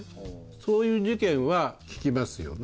そういう事件は聞きますよね。